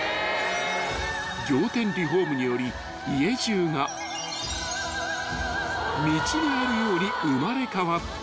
［仰天リフォームにより家中が見違えるように生まれ変わった］